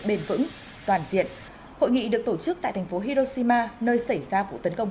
bền vững toàn diện hội nghị được tổ chức tại thành phố hiroshima nơi xảy ra vụ tấn công